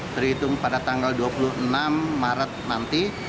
terhitung pada tanggal dua puluh enam maret nanti